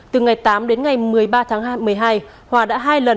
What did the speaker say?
từ ngày tám đến ngày một mươi ba tháng hai một mươi hai hòa đã hai lần